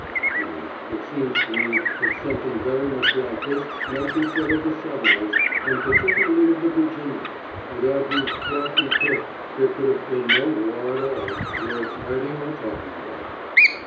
Now it seems to me that something very much like this might be said of the Southerners, and particularly of the Virginians, without whose pluck and pith there could have been no war at all worth writing or talking about.